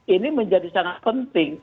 ini menjadi sangat penting